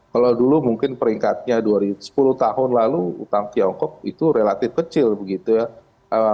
kalau dulu mungkin peringkatnya sepuluh tahun lalu utang tiongkok itu relatif kecil begitu ya